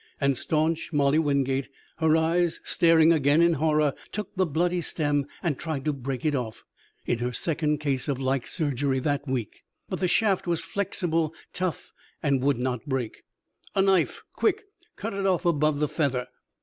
And staunch Molly Wingate, her eyes staring again in horror, took the bloody stem and tried to break it off, in her second case of like surgery that week. But the shaft was flexible, tough and would not break. "A knife quick! Cut it off above the feather!"